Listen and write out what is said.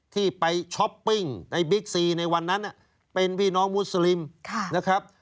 ที่ไปช้อปปิ้งในบิ๊กซีในวันนั้นเป็นพี่น้องมุสลิมนะครับ